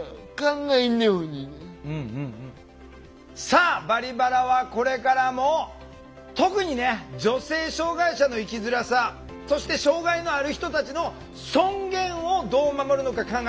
さあ「バリバラ」はこれからも特にね女性障害者の生きづらさそして障害のある人たちの尊厳をどう守るのか考えていきます。